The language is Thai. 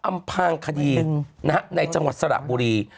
อำพางคดีนะฮะในจังหวัดสระบุรี